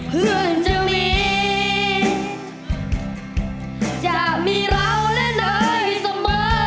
เพื่อนจะมีเราและนายเสมอ